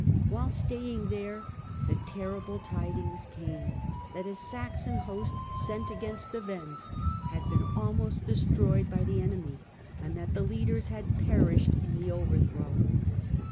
Whilst staying there the terrible tidings came that a Saxon host, sent against the Wends, had been almost destroyed by the enemy, and that the leaders had perished in the overthrow.